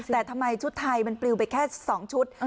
แต่ทำไมชุดไทยมันปลิวไปแค่๒ชุด